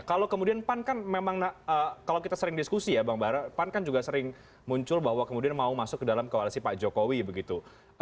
kalau kemudian pan kan memang kalau kita sering diskusi ya bang pan kan juga sering muncul bahwa kemudian mau masuk ke dalam koalisi pak jokowi begitu